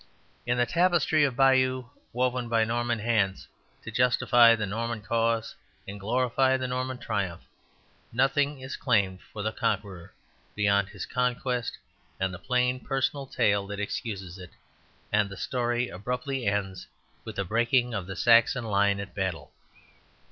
In the Tapestry of Bayeux, woven by Norman hands to justify the Norman cause and glorify the Norman triumph, nothing is claimed for the Conqueror beyond his conquest and the plain personal tale that excuses it, and the story abruptly ends with the breaking of the Saxon line at Battle.